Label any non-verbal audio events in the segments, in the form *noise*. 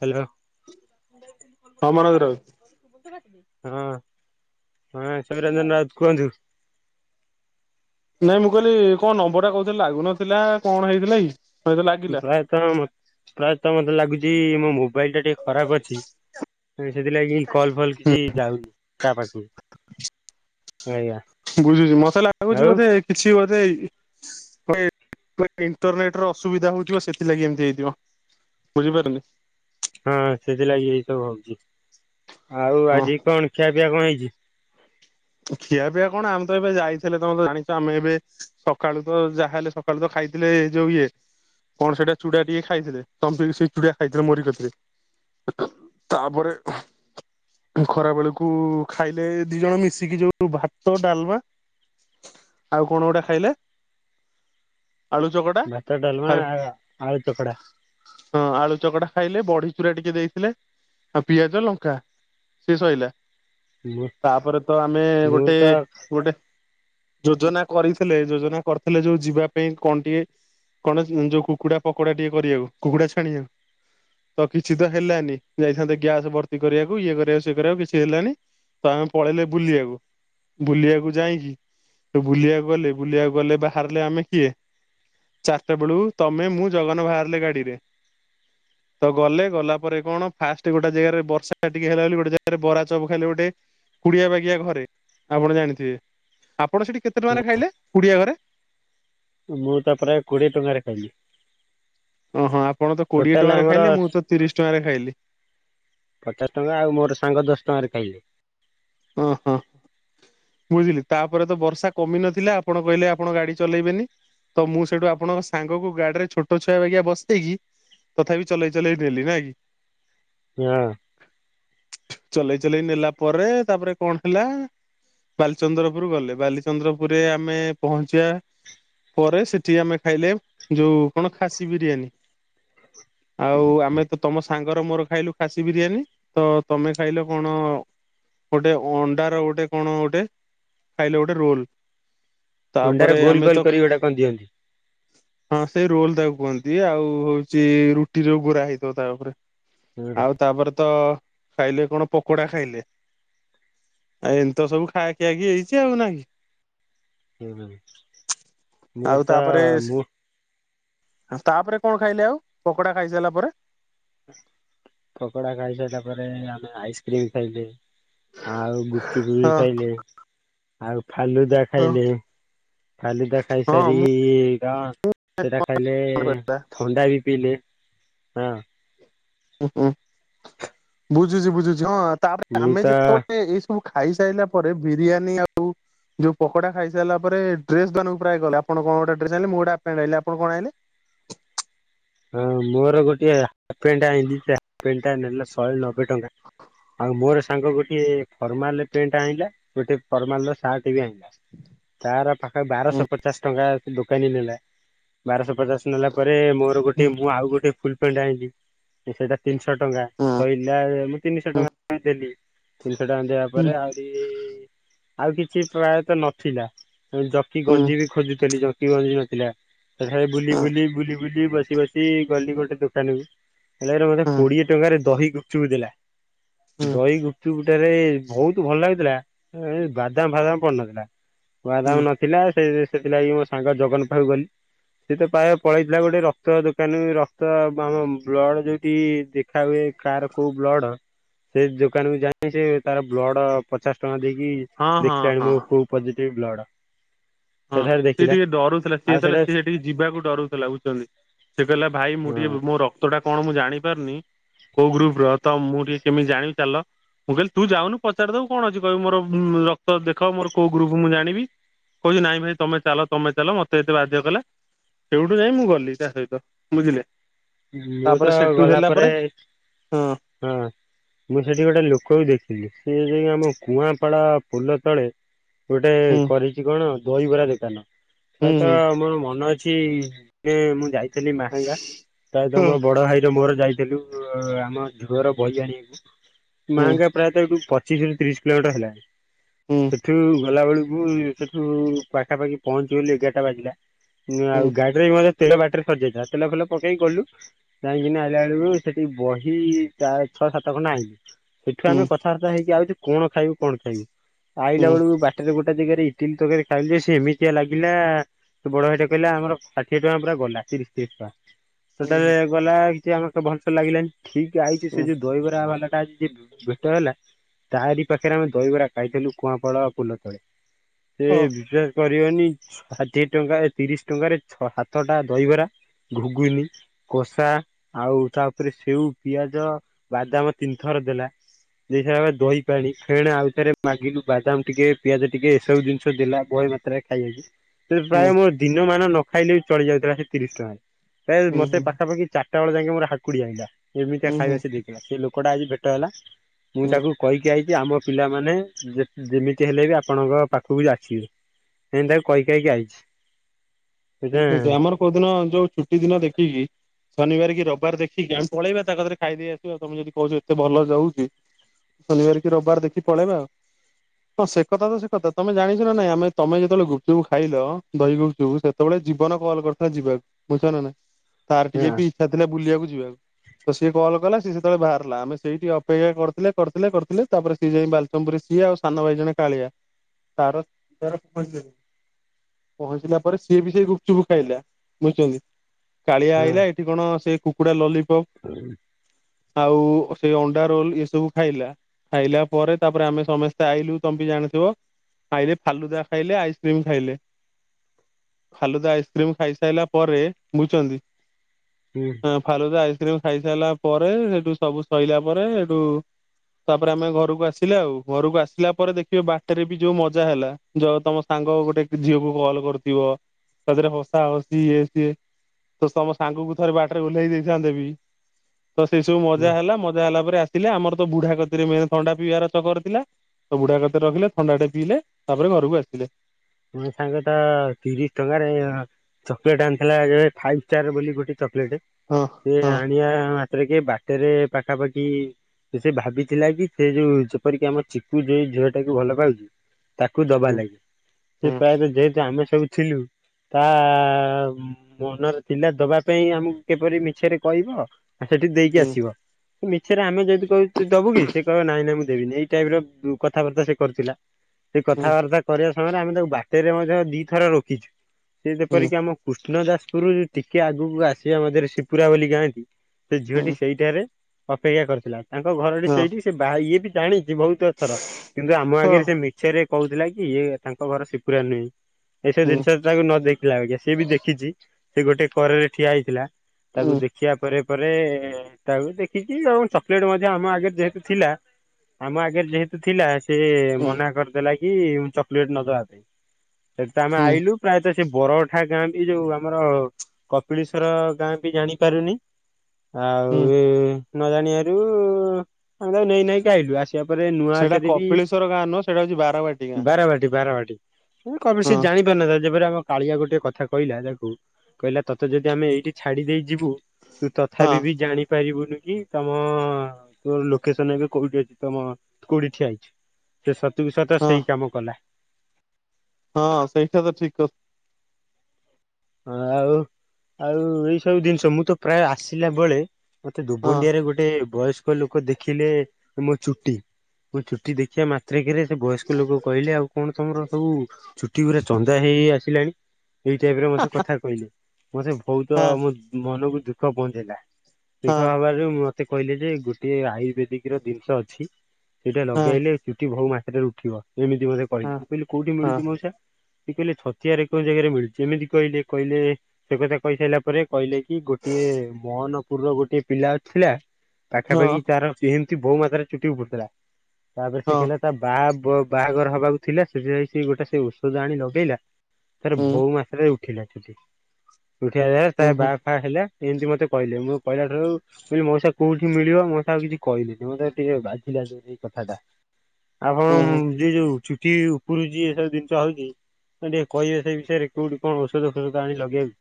Hello. ହଁ ମନୋଜ ରାଉତ ହଁ ହଁ ସମୀରଞ୍ଜନ ରାଉତ କୁହନ୍ତୁ। ନାଇଁ ମୁଁ କହିଲି କଣ ନମ୍ବର ଟା କହୁଥିଲେ ଲାଗୁନଥିଲା କଣ ହେଇଥିଲା କି? ହଁ ତ ଲାଗିଲା ପ୍ରାୟତଃ ପ୍ରାୟତଃ ମତେ ଲାଗୁଚି ମୋ ମୋବାଇଲ ଟା ଟିକେ ଖରାପ ଅଛି। ସେଥିଲାଗି କଲ ଫଲ କିଛି ହୁଁ ଯାଉନି କାହ ପାଖକୁ। ଆଜ୍ଞା ବୁଝୁଛି ମତେ ଲାଗୁଛି ଆଉ ବୋଧେ କିଛି *unintelligible* ଇଣ୍ଟରନେଟ ର ଅସୁବିଧା ହଉଥିବ ସେଥିଲାଗି ଏମତି ହେଇଥିବ। ବୁଝିପାରିଲେ? ହଁ ସେଥିଲାଗି ହେଇଥିବ ଭାବୁଚି। ଆଉ ହଁ ଆଜି କଣ ଖିଆ ପିଆ କଣ ହେଇଛି? ଖିଆ ପିଆ କଣ ଆମେ ତ ଏବେ ଯାଇଥିଲେ ତମେ ତ ଜାଣିଚ ଆମେ ଏବେ ସକାଳୁ ତ ଯାହା ହେଲେ ସକାଳୁ ତ ଖାଇଥିଲେ ଯୋଉ ଇଏ କଣ ସେଟା ଚୁଡ଼ା ଟିକେ ଖାଇଥିଲେ ତମେ ବି ସେଇ ଚୁଡ଼ା ଖାଇଥିଲ ମୋରି କତିରେ। ତାପରେ ଖରା ବେଳକୁ ଖାଇଲେ ଦି ଜଣ ମିଶ ଯୋଉ ଭାତ ଡାଲମା। ଆଉ କଣ ଗୋଟେ ଖାଇଲେ? *inaudible* ଆଳୁ ଚକଟା ଭାତ ଡାଲମା ଆଳୁ ଆଳୁ ଚକଡା ହଁ ଆଳୁ ଚକଟା ଖାଇଲେ ବଡି ଚୁରା ଟିକେ ଦେଇଥିଲେ ଆଉ ପିଆଜ ଲଙ୍କା ସିଏ ସଇଲା। ମୁଁ ତାପରେ ତ ଆମେ ମୁଁ ଗୋଟେ ତ ଗୋଟେ ଯୋଜନା କରିଥିଲେ ଯୋଜନା କରିଥିଲେ ଯୋଉ ଯିବା ପାଇଁ କଣ ଟିକେ କଣ ଯୋଉ କୁକୁଡ଼ା ପକୋଡ଼ା ଟିକେ କରିବାକୁ କୁକୁଡ଼ା ଛାଣିବାକୁ। ତ କିଛି ତ ହେଲାନି। ଯାଇଥାନ୍ତେ ଗ୍ୟାସ ଭର୍ତ୍ତି କରିବାକୁ ଇଏ କରିବାକୁ ସିଏ କରିବାକୁ କିଛି ହେଲାନି। ତ ଆମେ ପଳେଇଲେ ବୁଲିବାକୁ। ବୁଲିବାକୁ ଯାଇକି ତ ବୁଲିବାକୁ ଗଲେ ବୁଲିବାକୁ ଗଲେ ବାହାରିଲେ ଆମେ କିଏ? ଚାରିଟା ବେଳକୁ ତମେ, ମୁଁ, ଜଗନ ବାହାରିଲେ ଗାଡ଼ିରେ। *inaudible* ତ ଗଲେ ଗଲା ପରେ କଣ ଫାଷ୍ଟ ଗୋଟେ ଜାଗାରେ ବର୍ଷା ଟିକେ ହେଲା ବୋଲି ଗୋଟେ ଜାଗାରେ ବରା ଚପ ଖାଇଲେ ଗୋଟେ। କୁଡ଼ିଆ ବାଗିଆ ଘରେ। ଆପଣ ଜାଣିଥିବେ, ଆପଣ ସେଠି କେତେ ଟଙ୍କାରେ ଖାଇଲେ କୁଡ଼ିଆ ଘରେ? ମୁଁ ତା ପରେ କୋଡ଼ିଏ ଟଙ୍କାରେ ଖାଇଲିି। ଓ ହଁ ଆପଣ ତ କୋଡ଼ିଏ ଟଙ୍କାରେ ଖାଇଲେ ମୁଁ ତ ତିରିଶ ଟଙ୍କାରେ ଖାଇଲି। ପଚାଶ ଟଙ୍କା ଆଉ ମୋର ସାଙ୍ଗ ଦଶ ଟଙ୍କାରେ ଖାଇଲେ। ହ ହୋ। ବୁଝିଲେ। ତାପରେ ତ ବର୍ଷା କମି ନଥିଲା ଆପଣ କହିଲେ ଆପଣ ଗାଡ଼ି ଚଲେଇବେନି। ତ ମୁଁ ସେଇଠୁ ଆପଣଙ୍କ ସାଙ୍ଗକୁ ଗାଡ଼ିରେ ଛୋଟ ଛୁଆ ଭଳିଆ ବସେଇକି ତଥାପି ଚଲେଇ ଚଲେଇ ନେଲି ନା କି। *unintelligible* ଚଲେଇ ଚଲେଇ ନେଲା ପରେ ତାପରେ କଣ ହେଲା ବାଲିଚନ୍ଦ୍ରପୁର ଗଲେ। ବାଲିଚନ୍ଦ୍ରପୁରରେ ଆମେ ପହଞ୍ଚିବା ପରେ ସେଠି ଆମେ ଖାଇଲେ ଯୋଉ କଣ ଖାସି ବିରିୟାନୀ। ଆଉ ଆମେ ତ ତମ ସା ସାଙ୍ଗର ମୋର ଖାଇଲୁ ଖାସି ବିରିୟାନୀ। ତ ତମେ ଖାଇଲ କଣ ଗୋଟେ ଅଣ୍ଡାର ଗୋଟେ କଣ ଗୋଟେ ଖାଇଲ ଗୋଟେ ରୋଲ୍। ଅଣ୍ଡାରେ ତାପରେ ଗୋଲ ଆମେ ଗୋଲ ତ କରି ଗୋଟା କଣ ଦିଅନ୍ତି ହଁ ସେଇ ରୋଲ୍ ତାକୁ କୁହନ୍ତି। ଆଉ ହଉଚି ରୁଟି ଯୋଉ ଗୁରା ହେଇଥିବ ତା ଉପରେ। ଆଉ ତାପରେ ତ ଖାଇଲେ କଣ ପକୋଡ଼ା ଖାଇଲେ। ଆ ଏମିତ ସବୁ ଖା ଖିଆ କି ହେଇଛି ଆଉ ନା କି। ମୋର ଆଉ ତା ତାପରେ ମୁଁ। ତାପରେ କଣ ଖାଇଲେ ଆଉ ପକୋଡ଼ା ଖାଇ ସାରିଲା ପରେ? ପକୋଡା ଖାଇସାଇଲା ପରେ ଆମେ ଆଇସ୍କ୍ରିମ ଖାଇଲେ। ଆଉ ଗୁପଚୁପ ହଁ ବି ଖାଇଲେ ଆଉ ଫାଲୁଦା ହଁ ଖାଇଲେ। ଫାଲୁଦା ହଁ ଖାଇସାରି ମୁଁ କଣ ସେଟା ଖାଇଲେ ମନେ ପଇଲା। ଥଣ୍ଡା ବି। ପି ଲେ ହଁ। ଉଁ ହୁଁ, ବୁଝୁଛି ବୁଝୁଛି ହଁ, ତାପରେ ମୁଁ ଆମେ ତ ଯେତେବେଳେ ଏଇ ସ ସବୁ ଖାଇସାରିଲା ପରେ ବିରିୟାନୀ ଆଉ। ଯୋଉ ପକୋଡା ଖାଇସାରିଲା ପରେ ଡ୍ରେସ ଦୋକାନକୁ ପ୍ରାୟ ଗଲେ। ଆପଣ କଣ ଗୋଟେ ଡ୍ରେସ ଆଣିଲେ ମୁଁ ଗୋଟେ ହାପପ୍ୟାଣ୍ଟ ଆଣିଲି। ଆପଣ କଣ ଆଣଲେ? ? ହଁ, ମୋର ଗୋଟିଏ ହାପପେଣ୍ଟ ଆଣିଲି ସେ ହାପପେଣ୍ଟ ଟା ନେଲା ଶହେ ନବେ ଟଙ୍କା। ଆଉ ମୋର ସାଙ୍ଗ ଗୋଟିଏ ଫର୍ମାଲ ପେଣ୍ଟ ଆଣିଲା। ଗୋଟେ ଫର୍ମାଲ ର ସାର୍ଟ। ଟେ ବି ଆଣିଲ ତାର ପାଖ ହଁ ବାରଶ ପଚାଶ ଟଙ୍କା। ଦୋକାନୀ ନେଲା ବାରଶ ପଚାଶ ନେଲା ପରେ ମୋର ଗୋଟିଏ ମୁଁ ଆଉ ଗୋଟେ ଫୁଲ। ପେଣ୍ଟ ଆଇଁଲି ସେଇଟା ତିନିଶହ ଟଙ୍କା ହଁ କହିଲା ମୁଁ ତିନିଶ ଟଙ୍କା ଦେଲି। ତିନିଶ ଟଙ୍କା ଦେବା ପରେ ଆହୁରି ଆଉ କି ଛି ପ୍ରାୟତଃ ନଥିଲା ମୁଁ ଜକି ହଁ ଗଞ୍ଜି ବି ଖୋଜୁ ଥିଲି ଜକି ଗଞ୍ଜି ନ ଥିଲା ସେଠାରେ ବୁଲି ବୁଲି ବୁଲି ବୁଲି ବସି ବସି। ଗଲି ଗୋଟେ ଦୋକାନ କୁ ହେଲାଗି ମୋତେ କୋଡିଏ ଟଙ୍କାରେ ଦହି ଗୁପଚୁପ ଦେଲା। ଦହି ଗୁପଚୁପ ଟାରେ ବହୁତ ଭଲ ଲାଗୁଥିଲା ହେନେ ବାଦାମ ଫାଦାମ ପଡିନଥିଲା। ବାଦାମ ନଥିଲା। ସେ ସେଥିଲାଗି ମୋ ସାଙ୍ଗ ଜଗନ୍ ପାଖକୁ ଗଲି ସେ ତ ପ୍ରାୟ ପଳେଇଥିଲା ଗୋଟେ ରକ୍ତ ଦୋ କାଇଁ କି ରକ୍ତ ଆମ ବ୍ଲଡ ଯୋଉଠି ଦେଖା ହୁଏ କାହାର କୋଉ ବ୍ଲଡ। ସେ ଦୋକାନକୁୁ ଯାଇକି ସେ ତାର ବ୍ଲଡ ପଚାଶ ଟଙ୍କା ଦେଇକି। କି ଦେଖିଲାଣି ମୋର କୋଉ ପଜିଟିଭ ବ୍ଲଡ। ହଁ ସେଠାରେ ସିଏ ଦେଖିଲା ଟିକେ ଡରୁଥିଲା ସିଏ ଆଉ ଯେତେବେଳେ ସେଟା ସିଏ ସେଠିକି ଯିବାକୁ ଡରୁଥିଲା ବୁଝୁଛନ୍ତି। ଦେଲା ଭାଇ ମୁଁ ହଁ ଟିକେ ମୋ ରକ୍ତଟା କଣ ମୁଁ ଜାଣିପାରୁନି। କୋଉ ଗ୍ରୁପ ର ତ ମୁଁ ଟିକେ କେମିତି ଜାଣିବି ଚାଲ। ମୁଁ କହିଲି ତୁ ଯାଉନୁ ପଚାରି ଦବୁ କଣ ଅଛି କହିବୁ ମୋର ରକ କ୍ତ ଦେଖ ମୋର କୋଉ ଗ୍ରୁପ ମୁଁ ଜାଣିବି କହୁଛି ନାଇଁ ଭାଇ ତମେ। ଚାଲ ତମେ ଚାଲ ମତେ ଏତେ ବାଧ୍ୟ କଲା ସେଇଠୁ ଯାଇ ମୁଁ ଗଲି ତା ସହିତ ବୁଝିଲେ। ମୁଁ ତ ତାପରେ ସେଠୁ ଗଲା ହେଲା ପରେ। ହଁ, ମୁଁ ସେଠି ଗୋଟା ଲୋକ କୁ ଦେଖିଲି। ସିଏ ଯାଇ ଆମ କୁଆଁପାଳ ପୋଲ ତଳେ ଗୋଟେ ହୁଁ କରିଛି କଣ? ଦହିବରା ଦୋକାନ ହୁଁ ପ୍ରାଏ ତ ହୁଁ ମୋର ମନ ଅଛି ଯେ ମୁଁ ଯାଇ। ଥିଲି ମାହାଙ୍ଗା ପ୍ରାଏତ ମୋର ବଡ ଭାଇର। ମୋର ଯାଇଥିଲୁ ଆମ ଝୁଅର ବହି ଆଣିବାକୁ ହଁ ମାହାଙ୍ଗା ପ୍ରାୟତଃ ଏଠୁ ପ ପଚିଶ ରୁ ତିରିଶ କିଲୋମିଟର ହେଲା ହୁଁ ସେଠୁ। ଗଲା ବେଳକୁ ସେଠୁ ପାଖା ପାଖି ପହଞ୍ଚିଗଲି ଏଗାରଟା ବାଜିଲା ହୁଁ ଆଉ ଗାଡିରେ ବି ମଧ୍ୟ ତେଲ ବାଟରେ ସରିଜାଇଥିଲା ତେଲ ଫେଲ। ପକେଇକି ଗଲୁ ଯାଇକିନି ଆଇଲା ବେଳକୁ ସେଠି ବହି ଚା ଛଅ ସାତ ଖଣ୍ଡ ଆଇଁଲୁ। ସେଠୁ ହୁଁ ହୁଁ ଆମେ କଥାବାର୍ତ୍ତା ହେଇକି ଆଉଛୁ କଣ ଖାଇବୁ, କଣ ଖାଇବୁ ଆଇଲା ହୁଁ ବେଳକୁ ବାଟରେ ଗୋଟେ। ଗୋଟା ଯେଗାରେ ଇଟିଲି ତରକାରୀ ଖାଇଲୁ ଯେ ସିଏ ଏମିତିଆ ଲାଗିଲା। ସେ ବଡ ଭାଇ ଟା କହିଲା ଆମର ଷାଠିଏ ଟଙ୍କା ପୂରା ଗଲା। ତିରିଶ ତିରିଶ ଟଙ୍କା। ହୁଁ ସେଟା ଯେ ଗଲା କିଛି ଆମ ସେ ଭଲସେ ଲାଗିଲାନି ଠିକ ଆଇଛୁ ସେ ହୁଁ ଯୋଉ ଦହିବରା ବାଲା। ସେଟା ଆଜି ଜିଏ ଭେ ଭେଟ ହେଲା। ତାରି ପାଖରେ ଆମେ ଦହିବରା ଖାଇଥିଲୁ କୁଆଁପାଳ ପୋଲ ତଳେ ସେ ହଁ ବି ଶ୍ୱାସ କରିବନି ଷାଠିଏ ଟଙ୍କା ଏ ତିରିଶ ଟଙ୍କାରେ ଛଅ ସାତ ଟା ଦହିବରା। ଘୁଗୁନି, କଷା, ଆଉ ତା ଉପରେ ସେଉ, ପିଆଜ, ବାଦାମ, ତିନିଥର କି ଦେଲା। ଦେଇସରିଲା ପରେ ଦହି ପାଣି ଫେଣେ ଆଉଥରେ ମାଗିଲୁ ବାଦାମ ଟିକେ ପିଆଜ ଟିକେ ଏସବୁ ଜିନିଷ ଦେଲା ପ ଏତେ ମାତ୍ରାରେ ଖାଇଦେଇଚି। ସେ ହୁଁ ପ୍ରାୟ ମୋର ଦିନମାନା ନ ଖାଇଲେ ବି ଚଳି ଯାଉଥିଲା ସେ ତିରିଶ ଟଙ୍କାରେ ପ୍ରାୟ ହୁଁ ମୋତେ ହୁଁ ପାଖାପାଖି ଚା ଚାରିଟା ବେଳେ ଯାଇକି ମୋର ହାକୁଡି ଆଇିଲ ଏମିତିକା ହୁଁ ହୁଁ ଖାଇବା ସେ ଦେଇଥିଲା ସେ ଲୋକଟା ଆଜି ଭେଟ ହେଲା। ମୁଁ ହୁଁ ତାକୁ କହିକି ଆଇଚି କି ଆମ ପିଲାମାନେ ଯେମିତି ହେଲେ ବି ଆପଣଙ୍କ ପାଖକୁ ଆସିବେ। ହେନ୍ଦି ତାକୁ କହି କାହିକି ଆଇଛି। ଆମର କୋଉଦିନ ଯୋଉ ଛୁଟି ଦିନ ଦେଖିକି। ଶନିବାର କି ରବିବାର ଦେଖିକି ଆମେ ପଳେଇବା ତା କଥରେ ଖାଇଦେଇ ଆସିବା ଆଉ ତମେ ଯଦି କହୁଛ ଏତେ ଭଲ ସେ ହଉଛି। ଶନିବାର କି ରବିବାର ଦେଖି ପଳେଇବା ଆଉ। ହଁ ସେ କଥା ତ ସେ କଥା ତମେ ଜାଣିଛ ନା ନାଇଁ ଆମେ ତମେ ଯେତେବେଳେ ଗୁପଚୁପୁ ଖାଇଲ ଦହି ଗୁପଚୁପୁ ସେତେବେଳେ ଜୀବନ କଲ କରିଥିଲା ଯିବାକୁ ବୁଝିଛ ନା ନାଇଁ। ତାରବି ବି ଇଚ୍ଛା ଥିଲା ବୁଲିବାକୁ ଯିବାକୁ ତ ସିଏ କଲ୍ କଲା ସେତେବେଳେ ବାହାରିଲା ଆମେ ସେଇଠି ଅପେକ୍ଷା କରିଥିଲେ କରିଥିଲେ କରିଥିଲେ ତାପରେ ସିଏ ଯାଇ ବାଲଚମପୁରରେ ସିଏ ଆଉ ସାନ ଭାଇ ଜଣେ କାଳିଆ ତାର ତାର ପହଞ୍ଚିଲା ପରେ ସିଏ ବି ସେ ଗୁପଚୁପ ଖାଇଲା ବୁଝୁଛନ୍ତି କାଳିଆ ଆଇଲା ଏଠି କଣ ସେ କୁକୁଡ଼ା ଲଲି ହଁ। ଆଉ ସେଇ ଅଣ୍ଡା ରୋଲ ଏଇ ସବୁ ଖାଇଲା। ଖାଇଲା ପରେ ତାପରେ ଆମେ ସମସ୍ତେ ଆଇଲୁ ତମେ ବି ଜାଣିଥିବ। ଖାଇଲେ ଫାଲୁଦା ଖାଇଲେ ଆଇସ୍କ୍ରିମ ଖାଇଲେ। *inaudible* ଫାଲୁଦା ଆଇସ୍କ୍ରିମ ଖାଇସାରିଲା ପରେ ବୁଝଛନ୍ତି ଆଁ ଫାଲୁଦା ଆ ଆଇସ୍କ୍ରିମ ଖାଇ ସାରିଲା ପରେ ସେଠୁ ସବୁ ସଇଲା ପରେ ହେଠୁ ତାପରେ ଆମେ ଘରକୁ ଆସିଲେ ଆଉ ଘରକୁ ଆସିଲା ପରେ ଦେଖିବେ ବାଟରେ ବି ଯୋଉ ମଜା ହେଲା ଯୋଉ ତମ ସାଙ୍ଗ ସାଙ୍ଗ ଗୋଟେ ଝିଅକୁ କଲ୍ କରିଥିବ ତାଥିରେ ହସା ହସି ଇଏ ସିଏ। ତ ତମ ସାଙ୍ଗକୁ ଥରେ ବାଟରେ ଓହ୍ଲେଇ ଦେଇଥାନ୍ତେ ବି ତ ସେଇ ସବୁ ମଜା ହେଲା ମଜା ହେଲା ପରେ ଆମର ତ ବୁଢା କତିରେ ମେନ ଥଣ୍ଡା ପିଇବାର ତ କରିଥିଲା ତ ବୁଢା କତିରେ ରଖିଲେ ଥଣ୍ଡାଟେ ପିଇଲେ ତାପରେ ଘରକୁ ଆସିିଥିଲେ। ଏ ସାଙ୍ଗ ତ ତିରିଶ ଟଙ୍କାରେ ଚକୋଲେଟ ଆଣିଥିଲା ଯଉ ଏ ଫାଇଭ ଷ୍ଟାର ବୁଲି ଗୁଟେ। ଚକୋଲେଟ ହଁ ସେ ହଁ ଆଣିବା ମାତ୍ରେକେ ବାଟରେ ପାଖାପାଖି ସେ ଭାବିଥିଲା କି ସେ ଯୋଉ ଯେପରିକି ଆମ ଚିକୁ ଯୋଉ ଝିଅ ଟାକୁ ଭଲ ପାଉଛି। ତାକୁ ଦବା ହୁଁ ଲାଗୀ ସେ ପ୍ରାୟରେ ଯେହେତୁ ଆମେ ସବୁ ଥିଲୁ। ତା ମନରେ ଥିଲା ଦବା ପାଇଁ ଆମକୁ କିପରି ମିଛରେ କହିବ। ଆ ସେଠିକ ଦେଇକି ହୁଁ ଆସିବ। ସେ ମିଛରେ ଆମେ ଯଦି କହିବୁ ତୁ ଦବୁ କି ସେ କହିବ ନାଇଁ ନାଇଁ ମୁଁ ଦେବିନି ଏଇ ଟାଇପ ର କଥାବାର୍ତ୍ତା ସେ କରିଥିଲା। ସେ ହୁଁ କଥାବାର୍ତ୍ତା କରିବା ସମୟରେ ଆମେ ତାକୁ ବାଟରେ ମଧ୍ୟ ଦିଥର ରୋକିଛୁ। ସେି ହୁଁ ଯେପରିକି ଆମ କୃଷ୍ଣ ଜାଜପୁର ଟିକେ ଆଗକୁ ଆସିବା ମରେ ଶିପୁରା ବୋଲି ଗାଁ କୁ। ସେ ହୁଁ ହୁଁ ଝିଅଟି ସେଇଠାରେ ଅପେକ୍ଷା କରିଥିଲା ତାଙ୍କ ଘରଟି ସେଇଠି ସେ ବା ଇଏ ବି ଜାଣିି ବହୁତ ଥର କିନ୍ତୁ ଆମ ହଁ ହଁ ଆଗରେ ସେ ମିଛରେ ରେ କହୁଥିଲା କି ଇଏ ତାଙ୍କ ଘର ସିପୁରା ନୁହେଁ। ଏଇସବୁ ହୁଁ ଜିନିଷ ତାକୁ ନ ଦେଖିଲା ବାକି ସିଏ ବି ଦେଖିଛି ସ ସେ ଗୋଟେ କରରେ ଠିଆ ହେଇଥିଲା। ତାକୁ ହୁଁ ଦେଖିବା ପରେ। ତାପରେ ତାକୁ ଦେଖିଚି ଆଉ ଚକୋଲେଟ ମଧ୍ୟ ଆମ ଆଗରେ ଯେହେତୁ ଥିଲା। ଆମ ଆଗରେ ଯେହେତୁ ଥିଲା। ସେ ହୁଁ ମନା କରିଥେଲା କି ଚକଲେଟ ନଦବା ପାଇଁ ସେଠୁ ତ ଆମେ ହୁଁ ଆଇଲୁ ପ୍ରାୟତଃ ସେ ବରଠା ଗାଁ ବି ଯୋଉ ଆମର କପିଳେଶ୍ଵର ଗାଁ ବି ଜାଣିପାରୁନି। ହୁଁ ଆଉ ନଜାଣିବାରୁ ଆମେ ତା ନେଇ ନାଇକି ଆଇଲୁ ଆସ ସେପ ସେଇଟା ନୂଆଟରେ ବି କପିଳେଶ୍ଵର ଗାଁ ନୁହଁ ସେଇଟା ହଉଛି ବାରବାଟୀ ଗାଁ ବାରବାଟୀ ବାରବାଟି କବେ ସେଏ ହଁ ଜାଣି ପାରିନଥାଏ ଯେପରି ଆମ କାଳିଆ ଗୋଟେ କଥା କହିଲା ତାକୁ କହିଲା ତୋତେ ଯଦି ଆମେ ଏଇଠି ଛାଡି ଦେଇ ଯିବୁ। ତୁ ହଁ ତଥାପି ବି ଜାଣି ପାରିବୁନୁ। କି ତମ ତୋର ଲୋକେସନ ଏବେ କୋଉଠି ଅଛି ତମ କୋଉଠି ଠିଆ ହେଇଛି ସେ ସ ତୁ ସହିତ ହଁ ସେଇ କାମ କଲା ହଁ ସେଇଟା ତ ଠିକ କ ହଁ ଆଉ ଆଉ ଏଇ ସବୁ ଜିନିଷ ମୁଁ ତ ପ୍ରାୟ ଆସିଲା ବେଳେ ମତେ ହଁ ଦୁବଣ୍ଡିଆରେ ଗୋଟେ ଭଏସ୍ ସ୍କ ଲୋକ ଦେଖିଲେ ମୋ ଚୁଟି ମୋ ଚୁଟି ଦେଖିବା ମାତ୍ରେ କେରେ ବୟସ୍କ ଲୋକ କହିଲେ ଆଉ କଣ ତମର ସବୁ ଛୁଟି ଗୁରା ଚନ୍ଦା ହେଇ ହେଇ ଆସିଲାଣି ଏଇଟା କଥା କହିଲେ ମତେ ବହୁତ ହଁ ମୋ ଦୁ ମୋ ମନକୁ ଦୁଃଖ ପହଞ୍ଚେଇଲା। ଦିଖ ହଁ ହବାରୁ ମତେ କହିଲେ ଯେ ଗୋଟେ ଆୟୁର୍ବେଦିକ ର ଜିନିଷ ଅଛି। ଏଇଟା ହଁ ଲଗେଇଲେ ଚୁଟି ବହୁ ମାତ୍ରାରେ ଉଠିବ ଏମିତି ମତେ କହିଲେ। ହଁ ମୁଁ କହିଲି କୋଉଠି ହଁ ମିଳୁଛି ମଉସା? ସେ କହିଲେ ଛତିଆ ରେ କଉ ଜାଗାରେ ମିଳୁଛି ଏମିତି କହିଲେ କହିଲେ ସେ କଥା କହି ସାରିଲା ପରେ କହିଲେ କି ଗୋଟିଏ ମହନପୁରର ଗୋଟିଏ ପିଲା ଥିଲା ହଁ ପାଖାପାଖି ତାର ଏମିତି ବୋହୁ ମାତ୍ରାରେ ଚୁଟି ଉପୁଡୁଥିଲା। ତାପରେ ସେ ହଁ କହିଲା ତା ବାହ ପ ବାହାଘର ହବାକୁ ଥିଲା ସେଥିପାଇଁ ସେ ଗୋଟେ ସେ ଔଷଧ ଆଣି ଲଗେଇଲା ତାର ହୁଁ ବହୁ ମାତ୍ରାରେ ଉଠିଲା ଚୁଟି। ଉଠି ଆଇଲା ହୁଁ ତା ବା ହୁଁ ଫା ହେଲା ଏମିତି ମତେ କହିଲେ ମୁଁ କହିଲାଠାରୁ ମୁଁ କହିଲି ମଉସା କଉଠି ମିଳିବ ମାଉସା ଆଉ କିଛି କହିଲେନି। ମତେ ଭାରି ଟିକେ ବାଧିଲା। ସେଇ କଥାଟା ଆଉ ହଁ ହୁଁ ଯେ ଯୋଉ ଚୁଟ ଚୁଟି ଉପୁଡୂଛି ଏସବୁ ଜିନିଷ ହଉଛି ତମେ ଟିକେ କହିବେ ସେ ବିଷୟରେ କୋଉଠି କଣ ଔଷ ଶଧ ଫୋଷଧ ଆଣି ଲଗେଇବାକୁ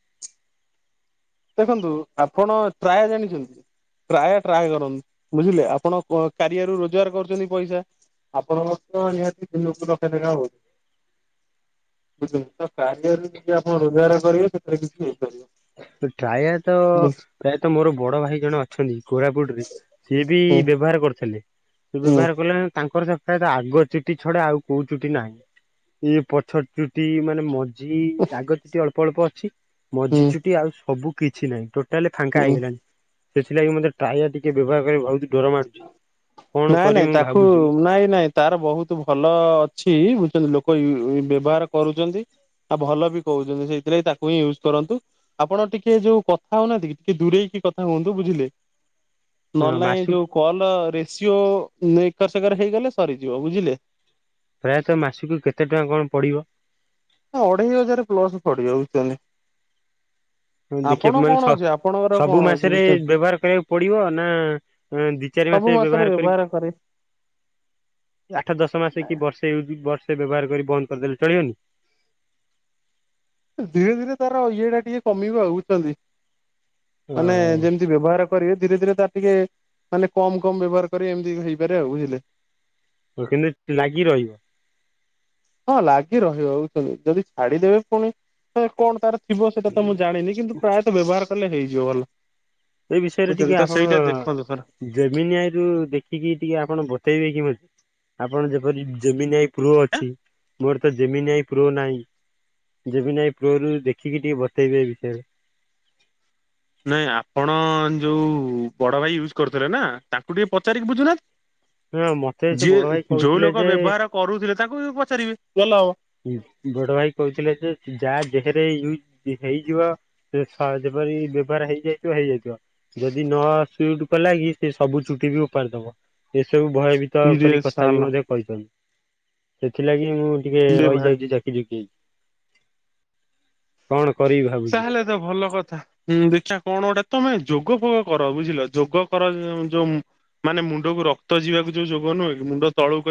ଦେଖନ୍ତୁ ଆପଣ ଟ୍ରାୟା ଜାଣିଛନ୍ତି? ଟ୍ରାୟା ଟ୍ରାଏ କରନ୍ତୁ। ବୁଝିଲେ ଆପଣ କ କାରିଆରୁ ରୋଜଗାର କରୁଛନ୍ତି ପଇସା ଆପଣଙ୍କର ତ ନିହାତି ଦିନକୁ ଲକ୍ଷେ ଟଙ୍କା ହଉଚି। ବୁଝିଲେ ତ କାରିଆରୁ ଯଦି ଆପଣ ରୋଜଗାର କରିବେ ସେଥିରେ କିଛି ହେଇପାରିବ। ଟ୍ରାୟା ତ ହୁଁ ପ୍ରାୟତଃ ମୋର ବଡ ଭାଇ ଜଣେ ଅଛନ୍ତି। କୋରାପୁଟରେ ସିଏ ବି ହୁଁ ବ୍ୟବହାର କରିଥିଲେ ହୁଁ ବ୍ୟବହାର କଲେ ତାଙ୍କର ହେ ଟା ଆଗ ଚୁଟି ଛଡ଼ା ଆଉ କୋଉ ଚୁଟି ନାହିଁ ଇଏ ପଛ ଚୁଟି ମାନେ ମଝି ଯି ଆଗ ଚୁଟି ଅଳ୍ପ ଅଳ୍ପ ଅଛି। ମଝି ହୁଁ। ଚୁଟି ଆଉ ସବୁ କିଛି ନାହିଁ ଟୋଟାଲି ଫାଙ୍କା ହୁଁ ହେଇଗଲାଣି। ସେଥିଲାଗି ମତେ ଟାୟା ଟିକେ ବ୍ୟବହାର କରିବାକୁ ଭାବୁଥିଲି। ମାରୁଚି ନା ନାଇଁ ତାକୁ ନାଇଁ ନାଇଁ ତାର ବହୁତ ଭଲ ଅଛି ବୁଝୁଛନ୍ତି ଲୋକ କ ଉଇ ଉଇ ବ୍ୟବହାର କରୁଚନ୍ତି। ଆଉ ଭଲ ବି କହୁଛନ୍ତି ସେଇଥିଲାଗି ତାକୁ ହିଁ ୟୁଜ କରନ୍ତୁ। ଆପଣ ଟିକେ ଯୋଉ କଥା ହଉନାହାନ୍ତି କି ଟିକେ ଦୂରେଇକି କି କଥା ହୁଅନ୍ତୁ ବୁଝିଲେ ହଁ ନହଲେ ନାଇଁ ମାସକୁ ଯୋଉ ହଁ ରେସିଓ ନେ ଏକର ସେକର ହେଇଗଲେ ସରିଯିବ ବୁଝିଲେ। ପ୍ରାୟତଃ ମାସକୁ କେତେ ଟଙ୍କା କଣ ପଡିବ? ଅଢେଇ ହଜାର ପ୍ଲସ ପଡିବ ବୁଝୁଛନ୍ତି। ହଁ ଆପଣ ଦେଖିବା ମାନେ କଣ ସତ୍ ଅଛି ଆପଣଙ୍କର ସବୁ କଣ ଅଛି ମାସରେ ବୁଝୁଛନ୍ତି ବ୍ୟବହାର କରିବାକୁ ପଡିବ ନା ଦି ଚାରି ସବୁ ମାସେ ମାସରେ ବ୍ୟବହାର କରି *unintelligible* ଆଠ ଦଶ ମାସ କି ବର୍ଷେ ୟୁଜ ବର୍ଷେ ର୍ଷେ ବ୍ୟବହାର କରି ବନ୍ଦ କରିଦେଲେ ଚଳିବନି? ଧୀରେ ଧୀରେ ତାର ଇଏ ଟା ଟିକେ କମିବ ଆଉ ବୁଝୁଚନ୍ତି। ଅ ମାନେ ଯେମିତି ବ୍ୟବହାର କରିବେ ଧୀରେ ଧୀରେ ତାର ଟିକେ ମାନେ କମ କମ ବ୍ୟବହାର କରିବେ ଏମିତି ହେଇପାରେ ଆଉ ବୁଝିଲେ ହଁ କିନ୍ତୁ ଲାଗି ରହି ହଁ ଲାଗି ରହିବ ବୁଝୁଛନ୍ତି। ଯଦି ଛାଡିଦେବେ ପୁଣି କଣ ତାର ଥିବ ସେଇଟା ତ ମୁଁ ଜାଣିନି କିନ୍ତୁ ପ୍ରାୟତଃ ବ୍ୟବହାର କଲେ ହେଇଯିବ ଭଲ। ଏ ବିଷୟରେ ବୁଝଛନ୍ତି ଟିକେ ତ ଆପଣ ସେଇଟା ଦେଖନ୍ତୁ ଥରେ ଜେମିିନିଆଇ ରୁ ଦେଖିକି ଟିକେ ଆପଣ ବତେଇବେ କି ମତେ? ଆପଣ ଯେପରି ଜେମିିନିଆଇ ପ୍ରୋ ଅଛି ମୋର ତ ଜେମିନିଆଇ ପ୍ରୋ ନାହିଁ। ଯେମିନି ଆଈ ପ୍ରୋ ରୁ ଦେଖିକି ଟିକେ ବତେଇବେ ଏ ବିଷୟରେ। ନାଇଁ ଆପଣ ଯୋଉ ବଡ ଭାଇ ୟୁଜ କରୁଥିଲେ ନା ତାଙ୍କୁ ଟିକେ ପଚାରିକି ବୁଝୁନାହାନ୍ତି। ହଁ ମତେ ସେ ଯିଏ ବଡ ଭାଇ ଯୋଉ କହୁଥିଲେ ଲୋକ ଯେ ବ୍ୟବହାର କରୁଥିଲେ ତାଙ୍କୁ ବି ପଚାରିବେ। ଭଲ ହବ ବଡ ଭାଇ କହୁଥିଲେ ଯେ ଯାହା ଦେହେରେ ୟୁଜ ହେଇଯିବ ସେ ସହଜ ବାରି ବ୍ୟବାର ହେଇଯାଇଥିବ ହେଇଯାଇଥିବ। ଯଦି ନ ସୁଟ କଲା ୟେ ସେ ସବୁ ଚୁଟି କି ଉପାଡି ଦବ। ଏସବୁ ଭୟଭୀତ ଇରେ କରି କଥା ବି ଶାଲା ମଧ୍ୟ କହିଛନ୍ତି। ସେଥିଲାଗି ମୁଁ ଏ ଇରେ ଭାଇ ରହିଯାଇଛି ଜାକି ଯୁକି ହେଇ, କଣ? କରିବି ଭାବୁଛି। ତାହେଲେ ତ ଭଲ କଥା ହୁଁ ଦେଖା କଣ ଗୋଟେ ତମେ ଯୋଗ ଫୋଗ କର ବୁଝିଲ ଯୋଗ କର ଯୋଉ ମାନେ ମୁଣ୍ଡକୁ ରକ୍ତ ଯିବାକୁ ଯୋଉ ଯୋଗ ନୁହେ କି ମୁଣ୍ଡ ତଳୁ କରି